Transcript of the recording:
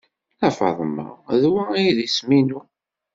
Nna Faḍma, d wa ay d isem-inu.